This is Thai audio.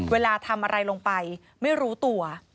เวลาทำอะไรลงไปไม่รู้ตัว